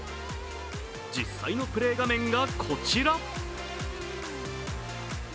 実際のプレー画面がこちら。